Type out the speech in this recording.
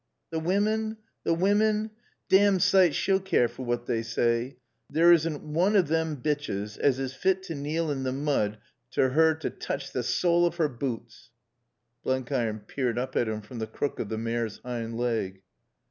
"T' women? T' women? Domned sight she'll keer for what they saay. There is n' woon o' they bitches as is fit t' kneel in t' mood to 'er t' tooch t' sawle of 'er boots." Blenkiron peered up at him from the crook of the mare's hind leg.